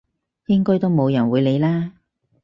應該都冇人會理啦！